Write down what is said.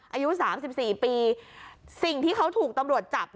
อายุ๓๔ปีสิ่งที่เขาถูกตำรวจจับ